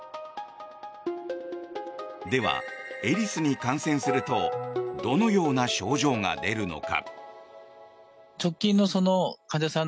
では、エリスに感染するとどのような症状が出るのか。